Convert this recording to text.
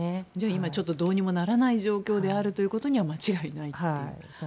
今、どうにもならない状況であることには間違いないという。